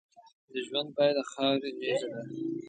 د ژوند پای د خاورې غېږه ده.